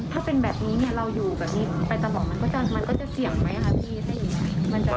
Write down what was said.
ถ้าเป็นแบบนี้เราอยู่แบบนี้ไปตลอดมันก็จะเสี่ยงไหมครับพี่